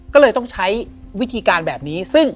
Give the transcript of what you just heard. ก็เลยต้องใช้วิธีการแบบนี้ซึ่ง